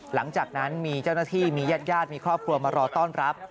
หลังจากนั้นมีเจ้าหน้าที่มีญาติญาติมีครอบครัวมารอต้อนรับ